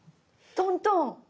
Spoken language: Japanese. トントン。